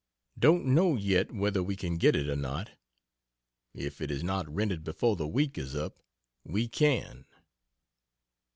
Don't know yet whether we can get it or not. If it is not rented before the week is up, we can.